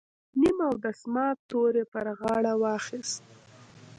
نیم اودس مات تور یې پر غاړه واخیست.